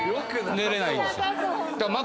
寝れないんです。